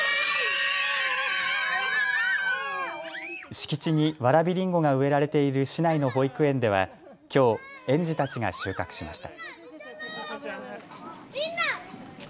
敷地にわらびりんごが植えられている市内の保育園ではきょう園児たちが収穫しました。